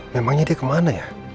memangnya dia kemana ya